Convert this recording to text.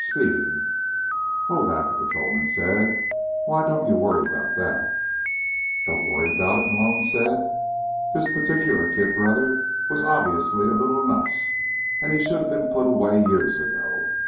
"Speeding." "Oh, that," the patrolman said. "Why, don't you worry about that." "Don't worry about it?" Malone said. This particular kid brother was obviously a little nuts, and should have been put away years ago.